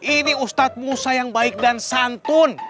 ini ustadz musa yang baik dan santun